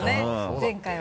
前回は。